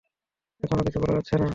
এখনও কিছু বলা যাচ্ছেনা।